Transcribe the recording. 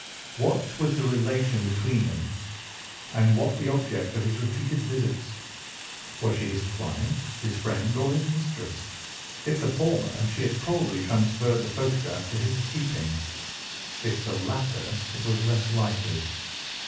What was the relation between them, and what the object of his repeated visits? Was she his client, his friend, or his mistress? If the former, she had probably transferred the photograph to his keeping. If the latter, it was less likely.